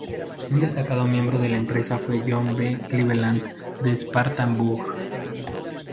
Un destacado miembro de la empresa fue John B. Cleveland de Spartanburg.